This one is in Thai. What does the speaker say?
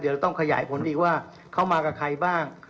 เดี๋ยวต้องขยายผลอีกว่าเขามากับใครบ้าง